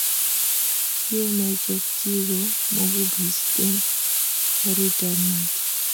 ye mechokchi ko mukubisten karitab maat